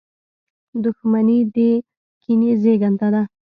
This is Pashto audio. • دښمني د کینې زېږنده ده.